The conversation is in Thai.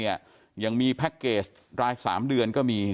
ยังมีแพ็คเกจราย๓เดือนก็มี